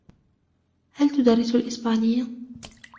هل تدرّس الإسبانية ؟